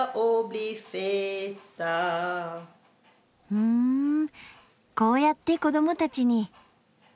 ふんこうやって子どもたちに。